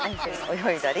泳いだり。